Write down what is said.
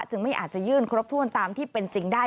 ไม่อาจจะยื่นครบถ้วนตามที่เป็นจริงได้